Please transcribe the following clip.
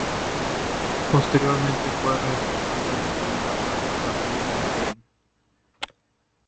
Posteriormente, fue re-escogida en la segunda plaza tras Citizen Kane.